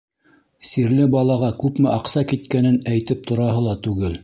Сирле балаға күпме аҡса киткәнен әйтеп тораһы ла түгел!